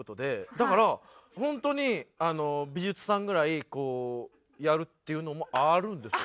だから本当に美術さんぐらいやるっていうのもあるんですよ。